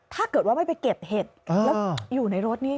ถ้าเกิดว่าไม่ไปเก็บเห็ดแล้วอยู่ในรถนี่